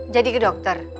jadi ke dokter